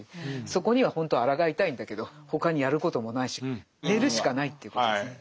そこにはほんとはあらがいたいんだけど他にやることもないし寝るしかないということですね。